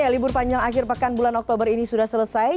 libur panjang akhir pekan bulan oktober ini sudah selesai